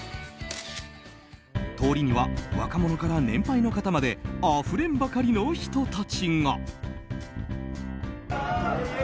通りには若者から年配の方まであふれんばかりの人たちが。